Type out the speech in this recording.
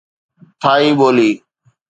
ٿائي ٻولي